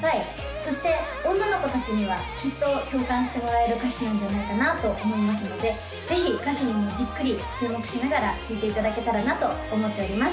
そして女の子達にはきっと共感してもらえる歌詞なんじゃないかなと思いますのでぜひ歌詞にもじっくり注目しながら聴いていただけたらなと思っております